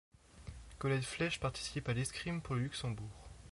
Colette Flesch participe à l'escrime pour le Luxembourg.